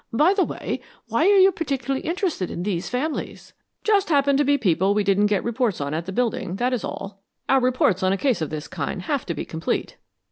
By the way, why are you particularly interested in these families?" "Just happen to be people we didn't get reports on at the building, that is all. Our reports on a case of this kind have to be complete."